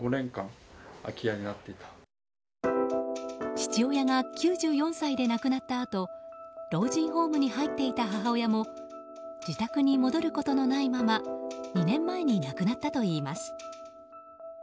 父親が９４歳で亡くなったあと老人ホームに入っていた母親も自宅に戻ることのないまま２年前に亡くなったといいます。